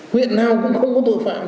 huyện nào cũng không có tội phạm